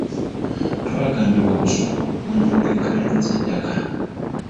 Twagambibwa okusooka okugonjoola enkaayana z'ettaka.